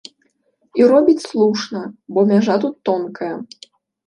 І робіць слушна, бо мяжа тут тонкая.